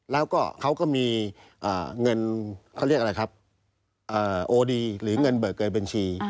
แล้วก็เขาก็มีเงินเขาเรียกอะไรครับโอดีหรือเงินเบิกเกินบัญชี